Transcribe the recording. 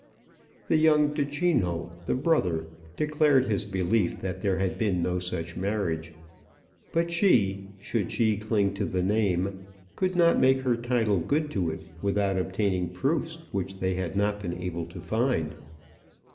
The young Duchino, the brother, declared his belief that there had been no such marriage. But she, should she cling to the name, could not make her title good to it without obtaining proofs which they had not been able to find.